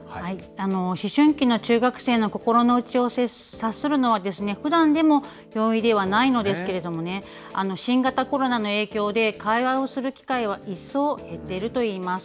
思春期の中学生の心の内を察するのは、ふだんでも容易ではないのですけれどもね、新型コロナの影響で会話をする機会は一層減っているといいます。